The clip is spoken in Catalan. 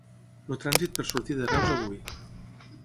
El trànsit per sortir de Reus avui.